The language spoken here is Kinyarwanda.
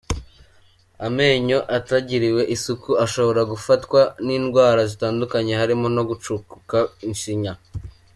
Amenyo atagiriwe isuku ashobora gufatwa n’indwara zitandukanye harimo no gucukuka ishinya.